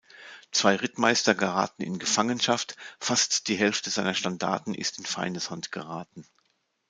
Zwei Rittmeister geraten in Gefangenschaft, fast die Hälfte seiner Standarten ist in Feindeshand geraten.